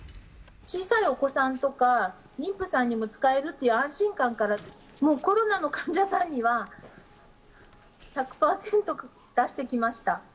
小さいお子さんとか、妊婦さんにも使えるという安心感から、もうコロナの患者さんには１００％出してきました。